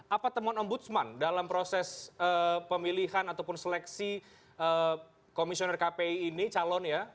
apa teman ombudsman dalam proses pemilihan ataupun seleksi komisioner kpi ini calon ya